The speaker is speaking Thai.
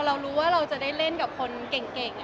เรารู้ว่าเราจะได้เล่นกับคนเก่ง